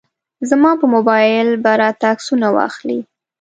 زما په موبایل به راته عکسونه واخلي.